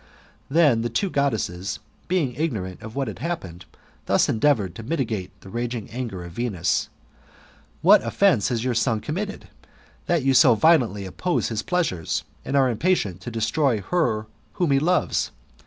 Then the two Goddesses, being ignorant of what had happened, thus endeavoured to mitigate the raging anger of Venus: "What offence has your son committed, that you so violently oppose his pleasures, and are impatient to destroy her whom he loves?